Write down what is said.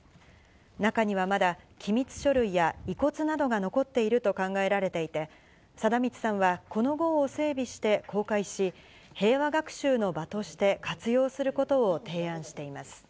中にはまだ機密書類や遺骨などが残っていると考えられていて、貞満さんはこのごうを整備して公開し、平和学習の場として活用す